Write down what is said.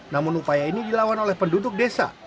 namun upaya ini dilawan oleh penduduk desa